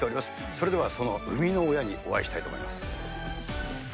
それではその生みの親にお会いしたいと思います。